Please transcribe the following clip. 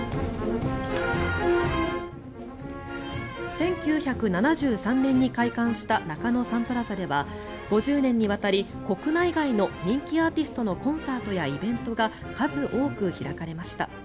１９７３年に開館した中野サンプラザでは５０年にわたり国内外の人気アーティストのコンサートやイベントが数多く開かれました。